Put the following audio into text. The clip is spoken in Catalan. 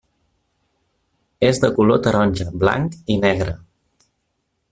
És de color taronja, blanc i negre.